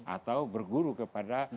atau berguru kepada